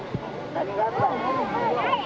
何があった？